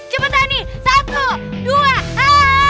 cepetan nih satu dua aaaaah